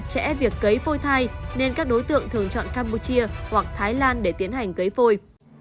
trần thị ba lý giải việc cấy phôi thai nên các đối tượng thường chọn campuchia hoặc thái lan để tiến hành cấy phôi